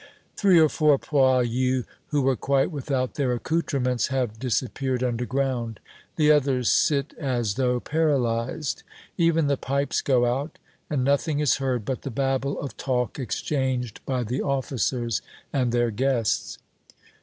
Three or four poilus who were quite without their accouterments have disappeared underground. The others sit as though paralyzed. Even the pipes go out, and nothing is heard but the babble of talk exchanged by the officers and their guests.